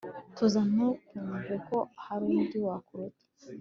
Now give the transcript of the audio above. tuza ntukumve ko hari undi wakuruta